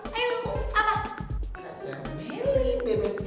hah sopi jawab